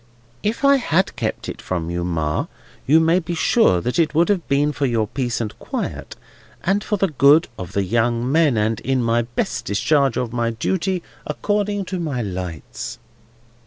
"If I had kept it from you, Ma, you may be sure it would have been for your peace and quiet, and for the good of the young men, and in my best discharge of my duty according to my lights."